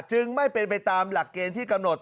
ไม่เป็นไปตามหลักเกณฑ์ที่กำหนด